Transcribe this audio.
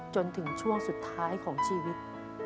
จนถึงช่วงสุดท้ายของชีวิต